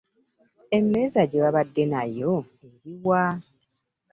Emmeeza gye wabadde nayo eri wa?